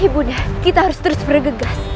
ibu dah kita harus terus bergegas